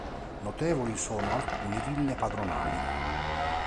Notevoli sono alcune ville padronali.